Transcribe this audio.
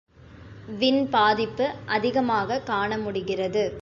Win பாதிப்பு அதிகமாகக் காண முடிகிறது.